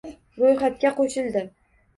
Ro'yxatga qo'shildi